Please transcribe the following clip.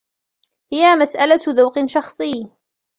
هي مسألة ذوق شخصي.